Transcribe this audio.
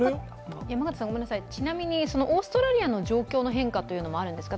ちなみにオーストラリアの状況の変化もあるんですか。